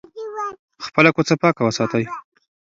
خپله کوڅه پاکه وساتئ.